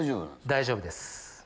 大丈夫です。